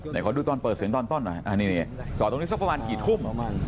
เดี๋ยวขอดูตอนเปิดเสียงตอนต้นหน่อยอันนี้จอดตรงนี้สักประมาณกี่ทุ่ม